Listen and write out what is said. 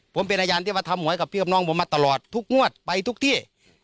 ผมเป็นอาจารย์ที่มาทำหวยกับพี่กับน้องผมมาตลอดทุกงวดไปทุกที่